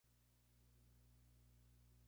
Narita es un aeropuerto de gran tráfico.